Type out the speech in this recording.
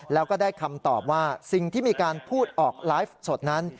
แล้วก็ได้คำตอบว่าสิ่งที่มีการพูดออกไลฟ์สดนั้น